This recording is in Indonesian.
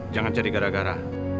jangan jadi gara gara